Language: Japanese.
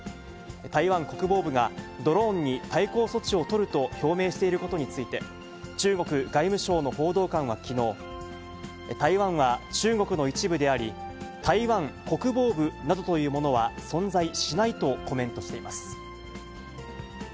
台湾国防部が、ドローンに対抗措置を取ると表明していることについて、中国外務省の報道官はきのう、台湾は中国の一部であり、台湾国防部などというものは存在しないとコメントしています。